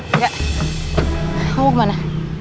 eh zak kamu kemana